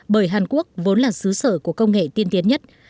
bởi hàn quốc vốn là xứ sở của công nghệ tiên tiến nhất